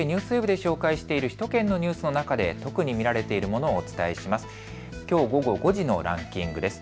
ＮＨＫＮＥＷＳＷＥＢで紹介している首都圏のニュースの中で特に見られているものをお伝えします。